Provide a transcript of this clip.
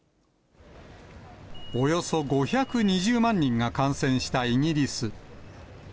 およそ５２０万人が感染したイギリス。